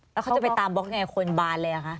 แล้วเขาจะไปตามบล็อกไงคนบานเลยอ่ะคะ